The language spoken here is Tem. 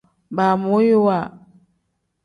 Baamoyiwa.